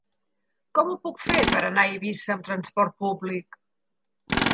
Com ho puc fer per anar a Eivissa amb transport públic?